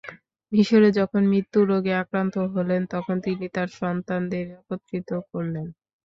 মিসরে যখন মৃত্যু রোগে আক্রান্ত হলেন, তখন তিনি তার সন্তানদের একত্রিত করলেন।